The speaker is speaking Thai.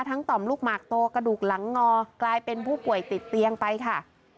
ต่อมลูกหมากโตกระดูกหลังงอกลายเป็นผู้ป่วยติดเตียงไปค่ะ